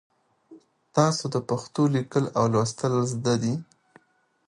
تاسو د پښتو لیکل او لوستل زده دي؟